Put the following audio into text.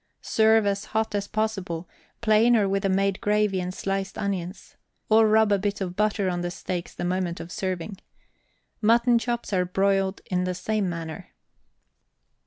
Serve as hot as possible, plain or with a made gravy and sliced onions, or rub a bit of butter on the steaks the moment of serving. Mutton chops are broiled in the same manner.